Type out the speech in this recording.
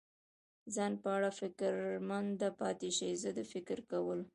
ځان په اړه فکرمند پاتې شي، زه د فکر کولو.